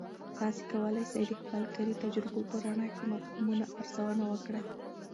تاسې کولای سئ د خپل کاري تجربو په رڼا کې مفهومونه ارزونه وکړئ.